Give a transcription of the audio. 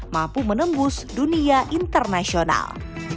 mampu menembus dunia internasional